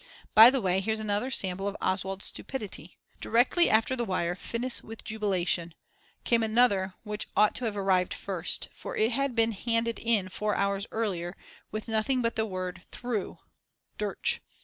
By the way here's another sample of Oswald's stupidity; directly after the wire: "Finis with Jubilation" came another which ought to have arrived first, for it had been handed in 4 hours earlier, with nothing but the word "Through" [Durch].